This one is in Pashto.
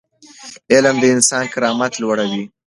علم د انسان کرامت لوړوي.